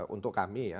untuk kami ya